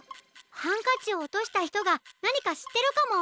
ハンカチをおとしたひとがなにかしってるかも。